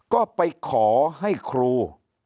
ก็ไปขอให้ครู